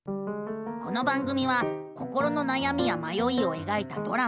この番組は心のなやみやまよいをえがいたドラマ。